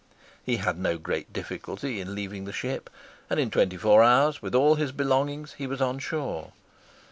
He had no great difficulty in leaving the ship, and in twenty four hours, with all his belongings, he was on shore.